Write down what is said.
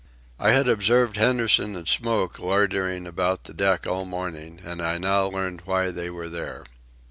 I had observed Henderson and Smoke loitering about the deck all morning, and I now learned why they were there.